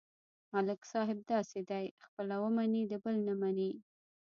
ملک صاحب داسې دی: خپله ومني، د بل نه مني.